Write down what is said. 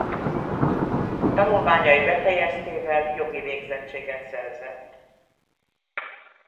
Tanulmányai befejeztével jogi végzettséget szerzett.